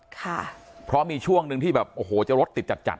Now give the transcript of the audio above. ค่ะเพราะมีช่วงหนึ่งที่แบบโอ้โหจะรถติดจัดจัด